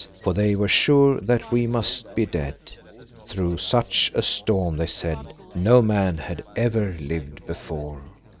For they were sure that we must be dead. Through such a storm, they said, no man had ever lived before.